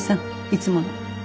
いつもの。